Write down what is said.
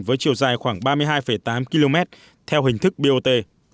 với chiều dài khoảng ba mươi hai tám km theo hình thức bot